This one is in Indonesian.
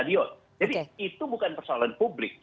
jadi itu bukan persoalan publik